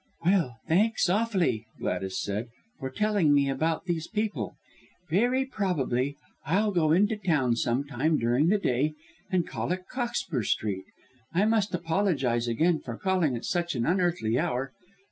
"Well, thanks awfully," Gladys said, "for telling me about these people. Very probably I'll go in to Town some time during the day and call at Cockspur Street. I must apologize again for calling at such an unearthly hour.